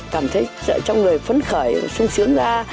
cảm thấy trong người phấn khởi sương sướng ra